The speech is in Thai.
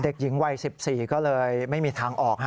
เด็กหญิงวัย๑๔ก็เลยไม่มีทางออก